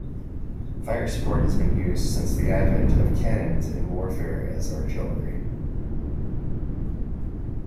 Fire support has been used since the advent of cannons in warfare as artillery.